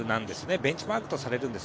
ベンチマークとされるんです。